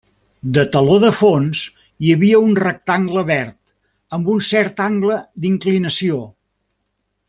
De teló de fons, hi havia un rectangle verd amb un cert angle d'inclinació.